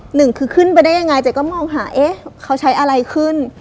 หนึ่งคือขึ้นไปได้ยังไงเจ๊ก็มองหาเอ๊ะเขาใช้อะไรขึ้น